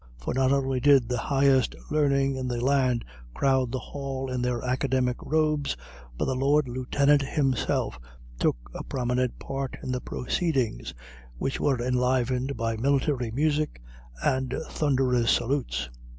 For not only did the highest learning in the land crowd the Hall in their academic robes, but the Lord Lieutenant himself took a prominent part in the proceedings, which were enlivened by military music and thunderous salutes.